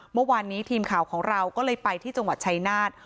เมื่อวานนี้ทีมข่าวของเราก็เลยไปที่จังหวัดชายนาฏ